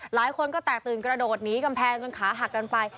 หลายคนก็แตกตื่นกระโดดหนีกำแพงจนขาหักกันไป